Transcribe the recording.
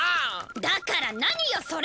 だから何よそれ！